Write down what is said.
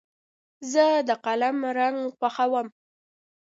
زه د قلم رنګ خوښوم.